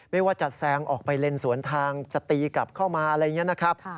ไม่ว่าจะแซงออกไปเลนสวนทางจะตีกลับเข้ามาอะไรอย่างนี้นะครับ